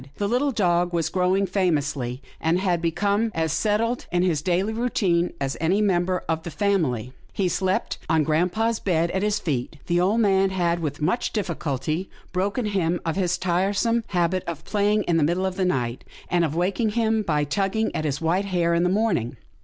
The little dog was growing famously, and had become as settled in his daily routine as any mem ber of the family. He slept on grampa' s bed at his feet. The old man had, with much difficulty, broken him of his tiresome habit of playing in the middle of the night, and of waking him by tugging at his white hair in the morning.